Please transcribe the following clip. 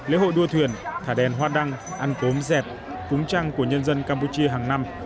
lễ hội đua thuyền thả đèn hoa đăng ăn cống dẹp cúng trăng của nhân dân campuchia hàng năm